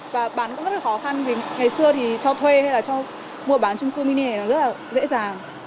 và bán cũng rất là khó khăn vì ngày xưa thì cho thuê hay là cho mua bán trung cư mini này là rất là dễ dàng